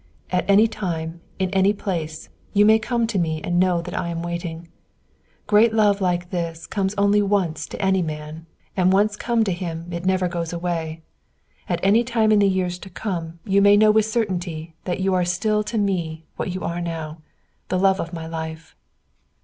"At any time, in any place, you may come to me and know that I am waiting. Great love like this comes only once to any man, and once come to him it never goes away. At any time in the years to come you may know with certainty that you are still to me what you are now, the love of my life.